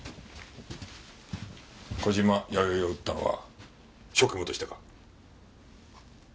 小島弥生を撃ったのは職務としてか？